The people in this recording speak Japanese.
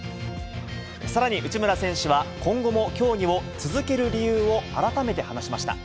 さらに内村選手は、今後も競技を続ける理由を改めて話しました。